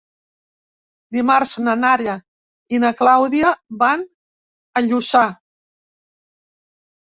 Dimarts na Nara i na Clàudia van a Lluçà.